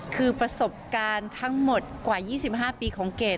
คือประสบการณ์ทั้งหมดกว่า๒๕ปีของเกด